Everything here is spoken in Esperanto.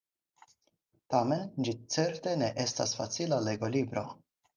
Tamen ĝi certe ne estas facila legolibro!